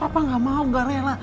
papa gak mau gak rela